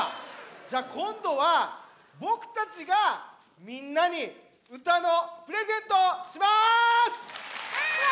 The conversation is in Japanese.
じゃあこんどはぼくたちがみんなにうたのプレゼントします！わ！